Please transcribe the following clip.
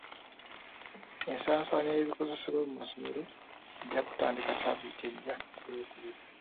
Ensaasaanya y'ebikozesebwa mu masomero ejja kutandika ssabbiiti ejja ku lw'okubiri.